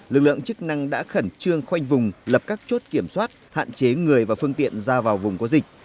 lực lượng chức năng đã khẩn trương khoanh vùng lập các chốt kiểm soát hạn chế người và phương tiện ra vào vùng có dịch